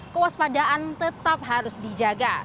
kewaspadaan tetap harus dijaga